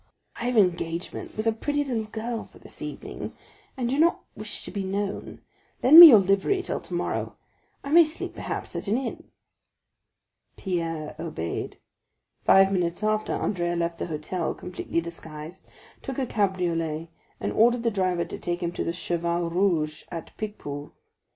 "I have an engagement with a pretty little girl for this evening, and do not wish to be known; lend me your livery till tomorrow. I may sleep, perhaps, at an inn." Pierre obeyed. Five minutes after, Andrea left the hotel, completely disguised, took a cabriolet, and ordered the driver to take him to the Cheval Rouge, at Picpus.